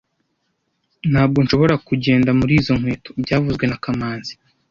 Ntabwo nshobora kugenda muri izo nkweto byavuzwe na kamanzi